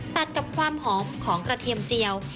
ตัดกับความหอมของกระเทียมเจียว